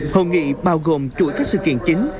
hội nghị bao gồm chuỗi các sự kiện chính